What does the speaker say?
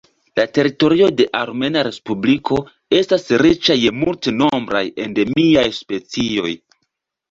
La teritorio de la Armena Respubliko estas riĉa je multnombraj endemiaj specioj.